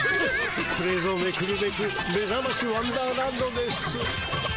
これぞめくるめくめざましワンダーランドです。